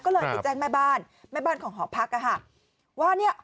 ก็เลยไปแจ้งแม่บ้านแม่บ้านของหอพักอ่ะค่ะว่าเนี่ย